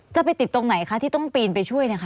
จะไปติดตรงไหนคะที่ต้องปีนไปช่วยนะคะ